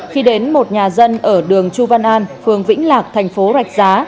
khi đến một nhà dân ở đường chu văn an phường vĩnh lạc thành phố rạch giá